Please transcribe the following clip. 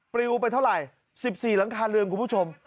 ปลิวไปเท่าไหร่๑๔หลังคาเรือนคุณผู้ชม